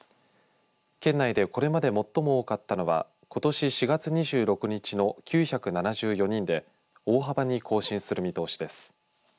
県内でこれまで最も多かったのはことし４月２６日の９７４人で大幅に更新する見通しです。